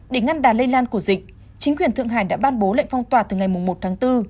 để ngăn đà lây lan của dịch chính quyền thượng hải đã ban bố lệnh phong tỏa từ ngày một tháng bốn